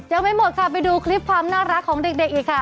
ยังไม่หมดค่ะไปดูคลิปความน่ารักของเด็กอีกค่ะ